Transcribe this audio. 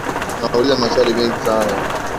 Nauliza maswali mengi sana